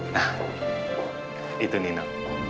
nah itu nino